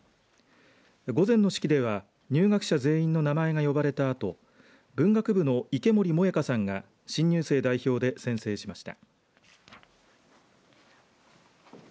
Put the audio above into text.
午前の式では入学者全員の名前が呼ばれた後文学部の池森萌華さんが新入生代表で宣誓しました。